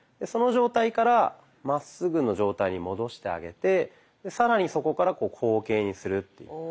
その状態からまっすぐの状態に戻してあげて更にそこから後傾にするっていう。